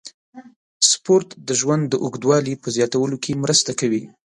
سپورت د ژوند د اوږدوالي په زیاتولو کې مرسته کوي.